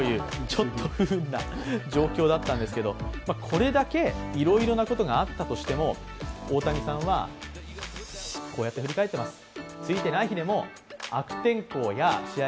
ちょっと不運な状況だったんですけどこれだけいろいろなことがあったとしても、大谷さんはこうやって振り返ってます。